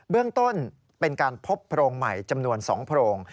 เรื่องต้นเป็นการพบโพรงใหม่จำนวน๒โพรง